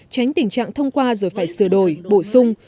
tránh tình trạng thông qua rồi phải sửa đổi bổ sung